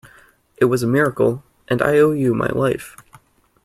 It was a miracle, and I owe you my life.